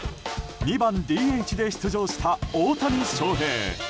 ２番ＤＨで出場した大谷翔平。